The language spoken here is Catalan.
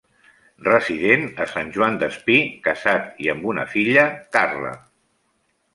Resident a Sant Joan Despí, casat i amb una filla, Carla.